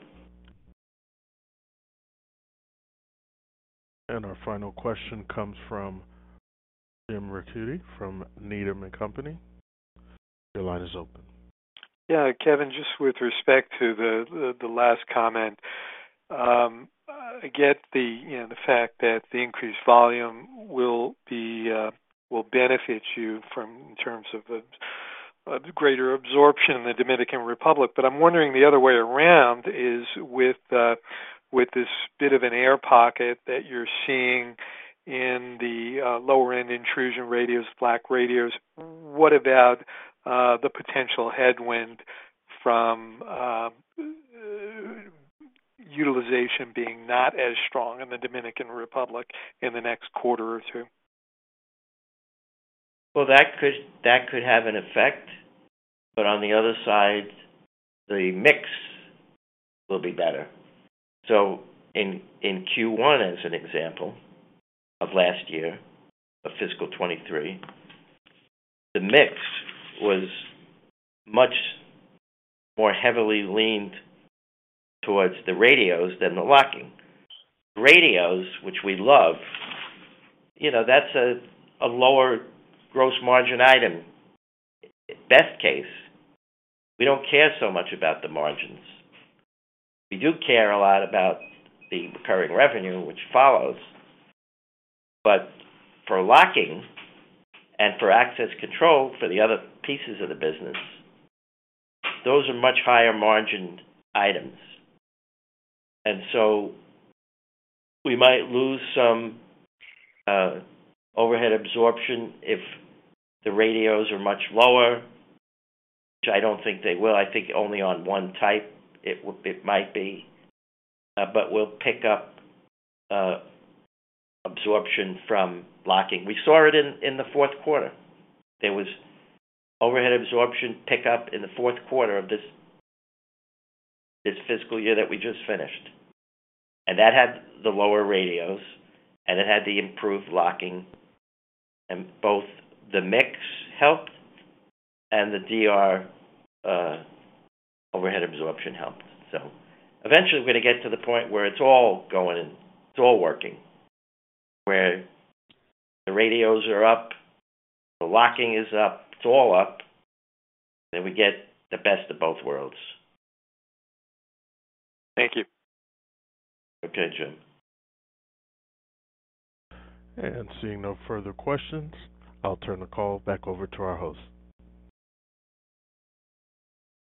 Our final question comes from Jim Ricchiuti from Needham & Company. Your line is open. Yeah, Kevin, just with respect to the last comment, I get the, you know, the fact that the increased volume will be will benefit you from in terms of a greater absorption in the Dominican Republic, but I'm wondering the other way around is with this bit of an air pocket that you're seeing in the lower end intrusion radios, StarLink radios, what about the potential headwind from utilization being not as strong in the Dominican Republic in the next quarter or two? Well, that could, that could have an effect, but on the other side, the mix will be better. So in Q1, as an example of last year, of fiscal 2023, the mix was much more heavily leaned towards the radios than the locking. Radios, which we love, you know, that's a lower gross margin item. Best case, we don't care so much about the margins. We do care a lot about the recurring revenue which follows. But for locking and for access control, for the other pieces of the business, those are much higher margin items. And so we might lose some overhead absorption if the radios are much lower, which I don't think they will. I think only on one type it might be, but we'll pick up absorption from locking. We saw it in the fourth quarter. There was overhead absorption pickup in the fourth quarter of this fiscal year that we just finished, and that had the lower radios, and it had the improved locking, and both the mix helped and the DR overhead absorption helped. So eventually, we're gonna get to the point where it's all going and it's all working, where the radios are up, the locking is up, it's all up, then we get the best of both worlds. Thank you. Okay, Jim. Seeing no further questions, I'll turn the call back over to our host.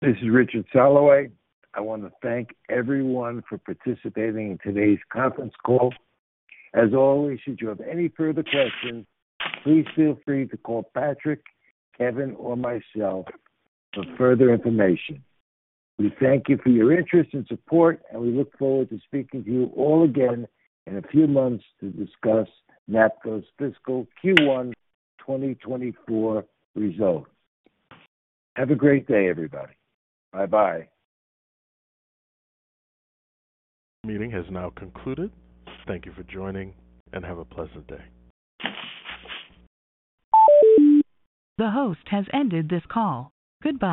This is Richard Soloway. I want to thank everyone for participating in today's conference call. As always, should you have any further questions, please feel free to call Patrick, Kevin, or myself for further information. We thank you for your interest and support, and we look forward to speaking to you all again in a few months to discuss NAPCO's fiscal Q1 2024 results. Have a great day, everybody. Bye-bye. Meeting has now concluded. Thank you for joining, and have a pleasant day. The host has ended this call. Goodbye.